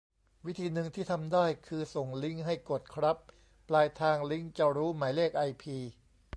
วิธีนึงที่ทำได้คือส่งลิงก์ให้กดครับ ปลายทางลิงก์จะรู้หมายเลขไอพี